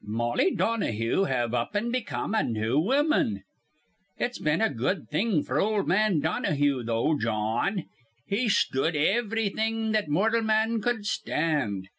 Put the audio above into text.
"Molly Donahue have up an' become a new woman! "It's been a good thing f'r ol' man Donahue, though, Jawn. He shtud ivrything that mortal man cud stand.